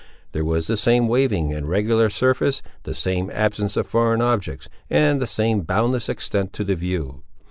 There was the same waving and regular surface, the same absence of foreign objects, and the same boundless extent to the view.